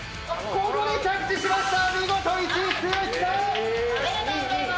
ここで着地しました。